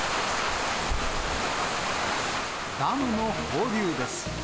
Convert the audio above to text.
ダムの放流です。